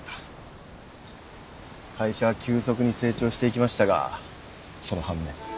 会社は急速に成長していきましたがその反面。